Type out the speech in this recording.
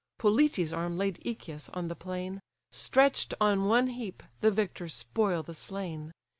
Polites' arm laid Echius on the plain; Stretch'd on one heap, the victors spoil the slain.